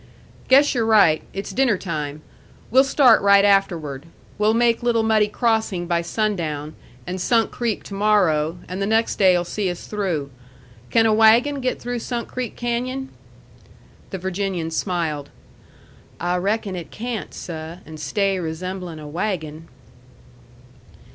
"Guess you're right. It's dinner time. We'll start right afterward. We'll make Little Muddy Crossing by sundown, and Sunk Creek to morrow, and the next day'll see us through. Can a wagon get through Sunk Creek Canyon?" The Virginian smiled. "I reckon it can't, seh, and stay resembling a wagon."